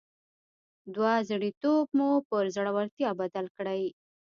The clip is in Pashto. دوه زړي توب مو پر زړورتيا بدل کړئ.